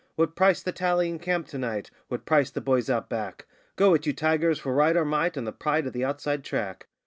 'What price the tally in camp to night!' 'What price the boys Out Back!' 'Go it, you tigers, for Right or Might and the pride of the Outside Track!